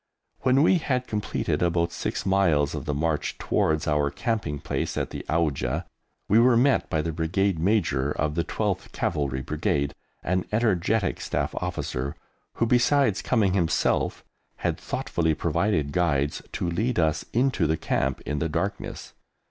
When we had completed about six miles of the march towards our camping place at the Auja, we were met by the Brigade Major of the 12th Cavalry Brigade, an energetic Staff Officer, who, besides coming himself, had thoughtfully provided guides to lead us into the Camp in the darkness.